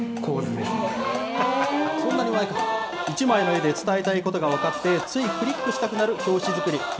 １枚の画で伝えたいことが分かって、ついクリックしたくなる表紙作り。